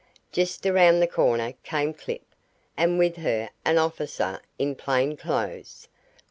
Just around the corner came Clip, and with her an officer in plain clothes.